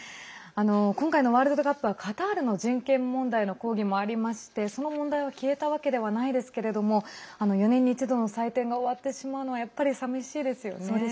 今回のワールドカップはカタールの人権問題への抗議もありましてその問題は消えたわけではないですけれども４年に一度の祭典が終わってしまうのはやっぱり寂しいですよね。